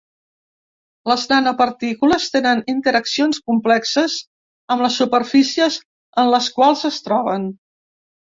Les nanopartícules tenen interaccions complexes amb les superfícies en les quals es troben.